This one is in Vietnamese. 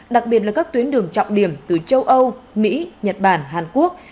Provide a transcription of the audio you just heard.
đặc biệt là các tuyến đường trọng điểm từ châu âu mỹ nhật bản hàn quốc